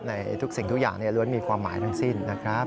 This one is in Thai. ในทุกสิ่งทุกอย่างล้วนมีความหมายทั้งสิ้นนะครับ